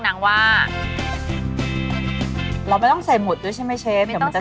เราไม่ต้องใส่หมุดด้วยใช่ไหมเชฟ